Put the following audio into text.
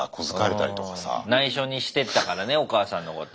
ないしょにしてったからねお母さんのこと。